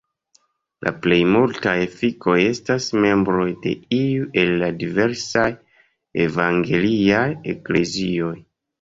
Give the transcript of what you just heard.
La plej multaj efikoj estas membroj de iu el la diversaj evangeliaj eklezioj.